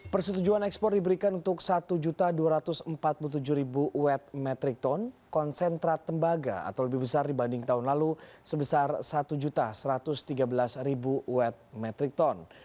persetujuan ekspor diberikan untuk satu dua ratus empat puluh tujuh watt metric ton konsentrat tembaga atau lebih besar dibanding tahun lalu sebesar satu satu ratus tiga belas watt metric ton